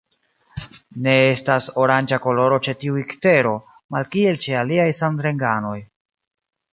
Ne estas oranĝa koloro ĉe tiu iktero, malkiel ĉe aliaj samgenranoj.